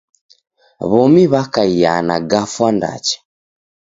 W'omi w'akaia na gafwa ndacha.